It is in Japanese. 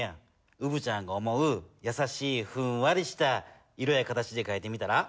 うぶちゃんが思うやさしいふんわりした色や形でかいてみたら？